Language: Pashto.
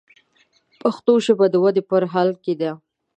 پښتو ژبه د ودې په حال کښې ده.